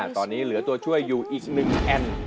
ตอนนี้เหลือตัวช่วยอยู่อีก๑แอน